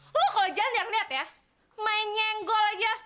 lo kalau jalan jangan liat ya main nyenggol aja